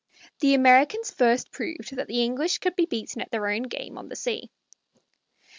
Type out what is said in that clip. The Americans first proved that the English could be beaten at their own game on the sea.